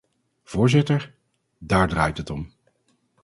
Voorzitter, daar draait het om.